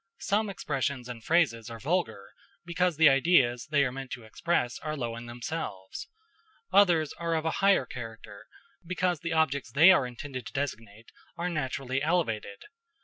Some expressions and phrases are vulgar, because the ideas they are meant to express are low in themselves; others are of a higher character, because the objects they are intended to designate are naturally elevated.